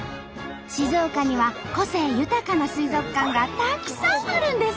静岡には個性豊かな水族館がたくさんあるんです。